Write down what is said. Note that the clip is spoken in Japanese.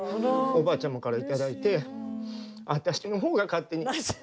おばあちゃまからいただいて私のほうが勝手に。